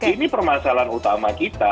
ini permasalahan utama kita